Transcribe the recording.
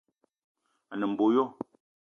A ne mbo yo